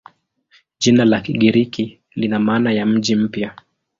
Jina la Kigiriki lina maana ya "mji mpya".